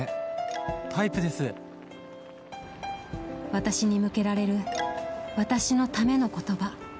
私に向けられる私のための言葉。